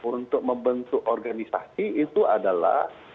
untuk membentuk organisasi itu adalah